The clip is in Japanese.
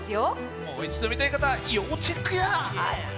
もう一度見たい方は、要チェックや。